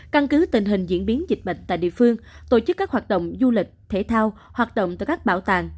căn cứ tình hình diễn biến dịch bệnh tại địa phương tổ chức các hoạt động du lịch thể thao hoạt động từ các bảo tàng